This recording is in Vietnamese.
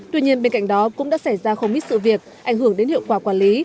tuy nhiên bên cạnh đó cũng đã xảy ra không ít sự việc ảnh hưởng đến hiệu quả quản lý